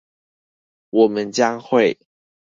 我們將會